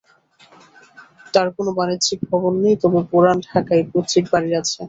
তাঁর কোনো বাণিজ্যিক ভবন নেই, তবে পুরান ঢাকায় পৈতৃক বাড়ি আছে।